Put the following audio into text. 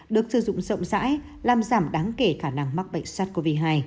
được sử dụng rộng rãi làm giảm đáng kể khả năng mắc bệnh sars cov hai